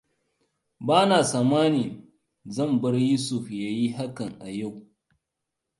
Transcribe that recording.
Ba na tsammanin zan bar Yusuf ya yi hakan a yau.